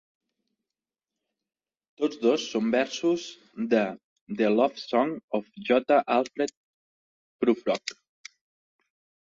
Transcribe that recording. Tots dos són versos de "The Love Song of J. Alfred Prufrock".